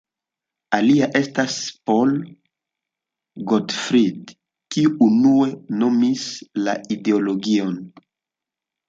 Alia estas Paul Gottfried, kiu unue nomis la ideologion.